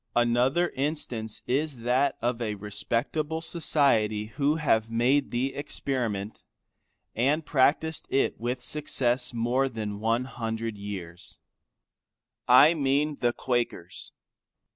Another instance is that of a respectable Society who have made the experiment, and practised it with success more than an [FN8] hundred years. I mean the Quakers.